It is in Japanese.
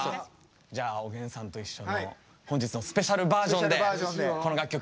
じゃあ「おげんさんといっしょ」の本日のスペシャルバージョンでこの楽曲